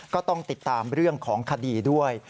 ก็ต้องติดตามเรื่องของคดีด้วย